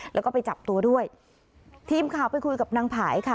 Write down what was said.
แล้วก็ไปจับตัวด้วยทีมข่าวไปคุยกับนางผายค่ะ